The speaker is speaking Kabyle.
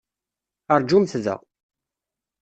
Rǧumt da!